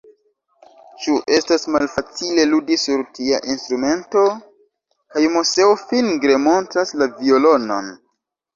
Ĉu estas malfacile ludi sur tia instrumento? kaj Moseo fingre montras la violonon.